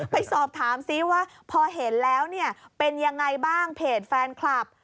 ไปสอบถามซิว่าพอเห็นแล้วเนี่ยเป็นยังไงบ้างเพจแฟนคลับ